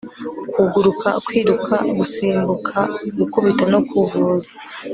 Kuguruka kwiruka gusimbukagukubita no kuvuza